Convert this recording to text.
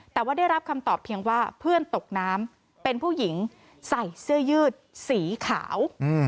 แต่ว่าได้รับคำตอบเพียงว่าเพื่อนตกน้ำเป็นผู้หญิงใส่เสื้อยืดสีขาว